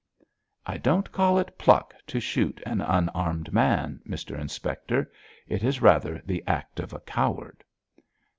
'I don't call it pluck to shoot an unarmed man, Mr Inspector. It is rather the act of a coward.'